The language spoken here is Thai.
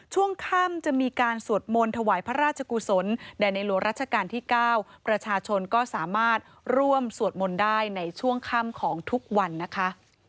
ช่วงค่ำจะมีการสวดมนต์ถวายพระราชกุศลแด่ในหลวงราชการที่๙ประชาชนก็สามารถร่วมสวดมนต์ได้ในช่วงค่ำของทุกวันนะคะ